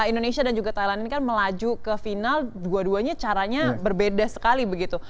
indonesia dan juga thailand ini kan melaju ke final dua duanya caranya berbeda sekali begitu